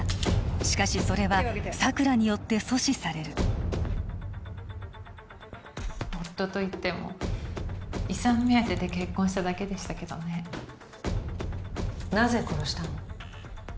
しかしそれは佐久良によって阻止される夫といっても遺産目当てで結婚しただけでしたけどねなぜ殺したの？